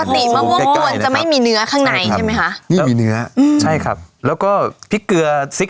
ปกติมะม่วงกวนจะไม่มีเนื้อข้างในใช่ไหมคะนี่มีเนื้ออืมใช่ครับแล้วก็พริกเกลือซิก